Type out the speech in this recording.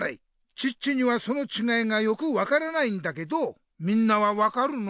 チッチにはそのちがいがよく分からないんだけどみんなは分かるの？